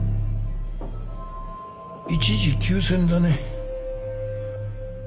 一時休戦だね。